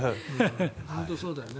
本当にそうだよね。